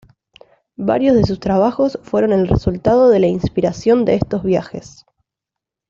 Varios de sus trabajos fueron el resultado de la inspiración de estos viajes.